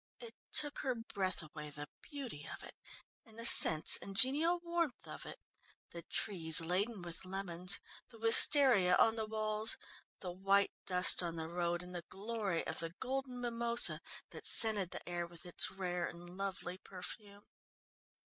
It took her breath away, the beauty of it; and the sense and genial warmth of it. The trees laden with lemons, the wisteria on the walls, the white dust on the road, and the glory of the golden mimosa that scented the air with its rare and lovely perfume.